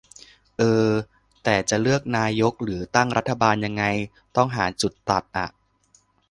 เออ แต่จะเลือกนายกหรือตั้งรัฐบาลยังไง ต้องหาจุดตัดอะ